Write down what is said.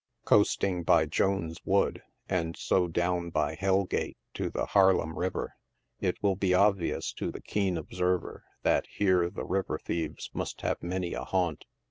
Coasting by Jones' Wood, and so down by Hell Gate to the Har lem River, it will be obvious to the keen observer that here the river thieves must have many a haunt.